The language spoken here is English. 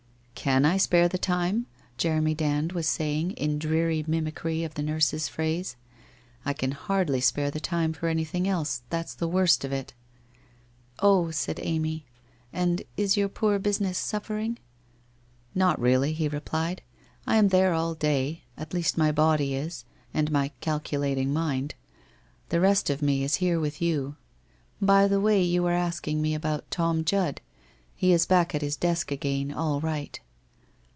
' Can I spare the time ?' Jeremy Dand was saying, in dreary mimicry of the nurse's phrase. ' I can hardly spare the time for anything else, that's the worst of it !'' Oh,' said Amy. f And is vour poor business suffer ing?' ' Not really,' he replied. ' I am there all day. At least my body is, and my calculating mind. The rest of me is here with you. By the way you were asking me about Tom Judd? He is back at his desk again, all right.'